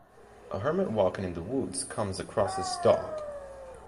A hermit walking in the woods comes across his dog.